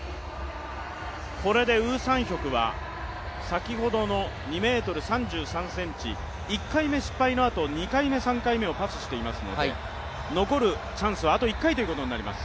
これでウ・サンヒョクは先ほどの２ｍ３３ｃｍ、１回目失敗のあと２回目、３回目をパスしていますので残るチャンスはあと１回ということになってきます。